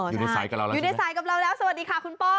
อยู่ในสายกับเราแล้วสวัสดีค่ะคุณป้อ